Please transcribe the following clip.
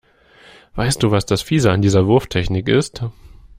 Weißt du, was das Fiese an dieser Wurftechnik ist?